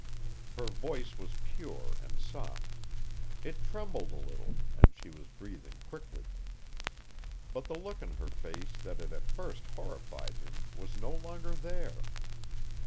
Her voice was pure and soft. It trembled a little, and she was breathing quickly. But the look in her face that had at first horrified him was no longer there.